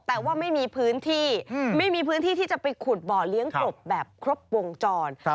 แต่ว่าไม่มีพื้นที่ไม่มีพื้นที่ที่จะไปขุดบ่อเลี้ยงกบแบบครบวงจร